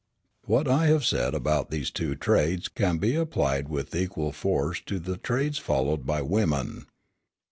"What I have said about these two trades can be applied with equal force to the trades followed by women.